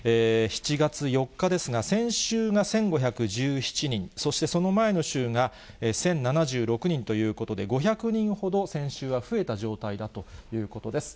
７月４日ですが、先週が１５１７人、そしてその前の週が１０７６人ということで、５００人ほど、先週は増えた状態だということです。